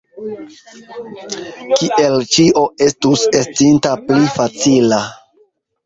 Kiel ĉio estus estinta pli facila!